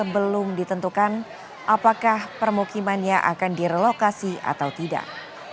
belum ditentukan apakah permukimannya akan direlokasi atau tidak